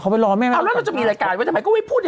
คนไปรอสัมภาษณ์ดำดำอยู่